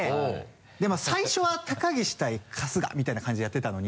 で最初は高岸対春日みたいな感じでやってたのに。